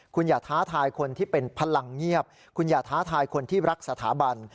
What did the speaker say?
คุณอย่าท้าทายคนที่เป็นพลังเงียบคุณอย่าท้าทายคนที่รักสถาบัน